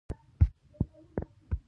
د پوتاشیم د بدن لپاره اړین دی.